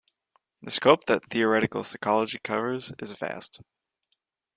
The scope that theoretical psychology covers is vast.